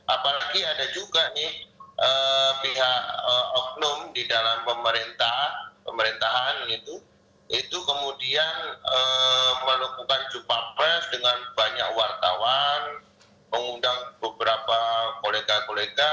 apalagi ada juga nih pihak oknum di dalam pemerintah pemerintahan itu kemudian melakukan jumpa pers dengan banyak wartawan mengundang beberapa kolega kolega